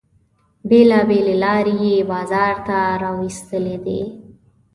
بیلابیلې لارې یې بازار ته را ویستلې دي.